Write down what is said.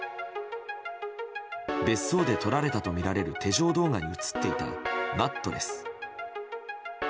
別荘で撮られたとみられる手錠動画に映っていたマットレス。